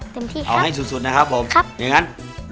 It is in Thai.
เต็มที่ครับขอให้สุดนะครับผมอย่างงั้น